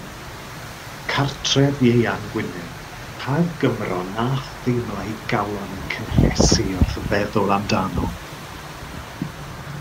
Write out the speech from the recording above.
Cartref Ieuan Gwynedd, pa Gymro na theimla ei galon yn cynhesu wrth feddwl amdano?